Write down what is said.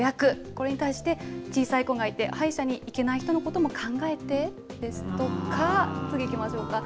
これに対して、小さい子がいて歯医者に行けない人のことも考えてですとか、次いきましょうか。